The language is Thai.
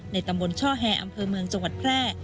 ตำบลช่อแฮอำเภอเมืองจังหวัดแพร่